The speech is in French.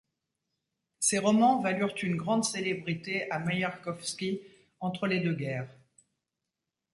Ces romans valurent une grande célébrité à Merejkovski entre les deux guerres.